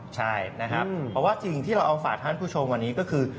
ใช่นะครับเพราะว่าสิ่งที่เราเอาฝากท่านผู้ชมวันนี้ก็คือ